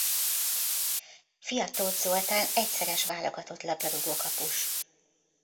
Fia Tóth Zoltán egyszeres válogatott labdarúgókapus.